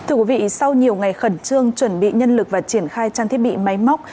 thưa quý vị sau nhiều ngày khẩn trương chuẩn bị nhân lực và triển khai trang thiết bị máy móc